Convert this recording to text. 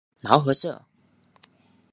劳合社。